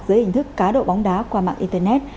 dưới hình thức cá độ bóng đá qua mạng internet